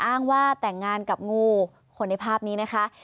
อ้างว่าแต่งงานกับงูคนในภาพนี้นะคะ